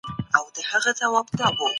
هویت سته.